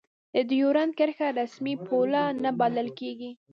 د دیورند کرښه رسمي پوله نه بلله کېږي.